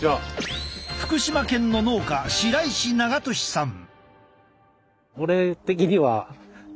福島県の農家白石長利さん。